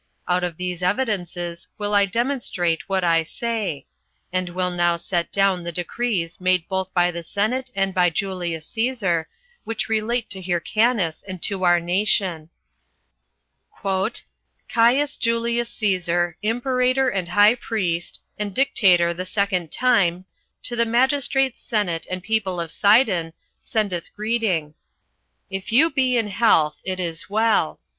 Out of these evidences will I demonstrate what I say; and will now set down the decrees made both by the senate and by Julius Cæsar, which relate to Hyrcanus and to our nation. 2. "Caius Julius Cæsar, imperator and high priest, and dictator the second time, to the magistrates, senate, and people of Sidon, sendeth greeting. If you be in health, it is well.